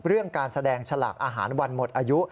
เรื่องการแสดงฉลากอาหารวันหมดอายุ